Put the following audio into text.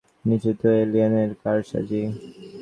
নিশ্চিত এলিয়েনের কারসাজি।